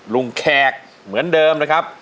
แขกเหมือนเดิมนะครับ